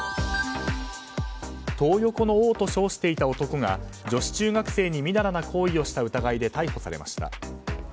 トー横の王と称していた男が女子中学生にみだらな行為をした疑いで逮捕されました。